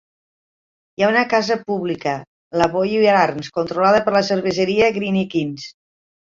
Hi ha una casa pública, la Bowyer Arms, controlada per la cerveseria Greene King.